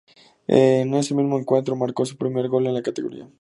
En ese mismo encuentro marcó su primer gol en la categoría.